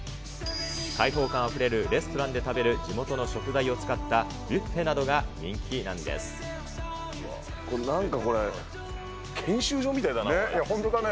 開放感あふれるレストランで食べる地元の食材を使ったブッフェななんかこれ、研修所みたいだいや、本当だね。